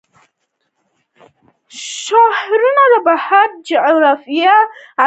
د پښتونخوا د شعرهاروبهار د جيمز اثر دﺉ.